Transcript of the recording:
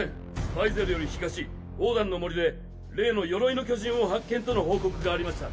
バイゼルより東オーダンの森で例の鎧の巨人を発見との報告がありました。